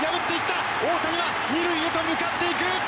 大谷は２塁へと向かっていく！